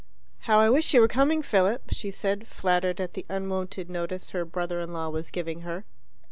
"How I wish you were coming, Philip," she said, flattered at the unwonted notice her brother in law was giving her.